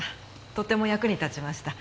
とても役に立ちました。